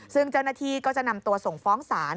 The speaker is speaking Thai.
ซึ่งเจ้าหน้าที่ก็จะนำตัวส่งฟ้องศาล